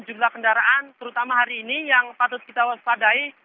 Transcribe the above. jumlah kendaraan terutama hari ini yang patut kita waspadai